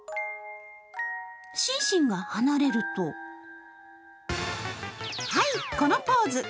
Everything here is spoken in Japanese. シンシンが離れるとはい、このポーズ。